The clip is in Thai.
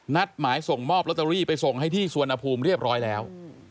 นัดหมายส่งมอบลอตเตอรี่ไปส่งให้ที่สวนภูมิเรียบร้อยแล้ว